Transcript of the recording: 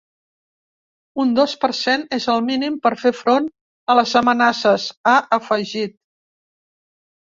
Un dos per cent és el mínim per fer front a les amenaces, ha afegit.